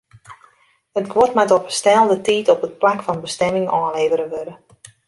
It guod moat op 'e stelde tiid op it plak fan bestimming ôflevere wurde.